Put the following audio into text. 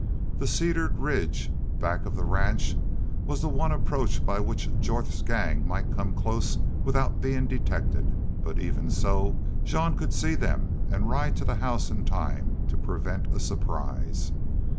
The cedared ridge back of the ranch was the one approach by which Jorth's gang might come close without being detected, but even so, Jean could see them and ride to the house in time to prevent a surprise.